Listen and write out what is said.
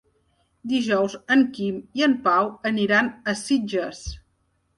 Dijous en Quim i en Pau aniran a Sitges.